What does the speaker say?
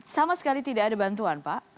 sama sekali tidak ada bantuan pak